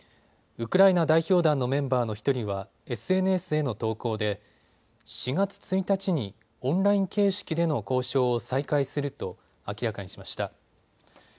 ウクライナ代表団のメンバーの１人はＳＮＳへの投稿で４月１日にオンライン形式での交渉を再開すると明らかにしました。